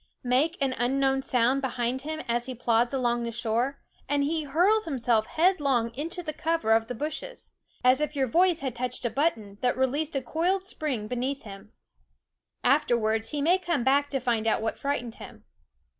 Make an unknown sound behind him as he plods along the shore, and he hurls himself headlong into the cover of the bushes, as if your voice had touched a button 147 ?/? YouMeef a^Bear 148 t)hen You Meef Bear SCHOOL OF that released a coiled spring beneath him. Afterwards he may come back to find out what frightened him.